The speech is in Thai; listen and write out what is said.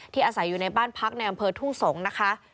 อาศัยอยู่ในบ้านพักในอำเภอทุ่งสงศ์นะคะ